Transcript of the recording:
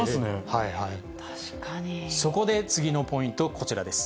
そこで次のポイント、こちらです。